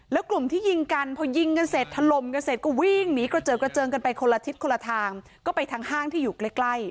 แล้วกลุ่มที่ยิงกันพอยิงกันเสร็จถล่มกันเสร็จก็วิ่งหนีกระเจิดกระเจิงกันไปคนละทิศคนละทางก็ไปทางห้างที่อยู่ใกล้